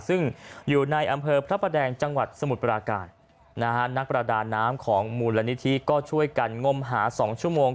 ซึ่งอยู่ในอำเภอพระประแดงจังหวัดสมุทรปราการนะฮะนักประดาน้ำของมูลนิธิก็ช่วยกันงมหา๒ชั่วโมง